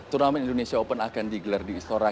turnamen indonesia open akan digelar di istora